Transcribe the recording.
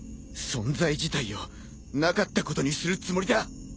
存在自体をなかったことにするつもりだ。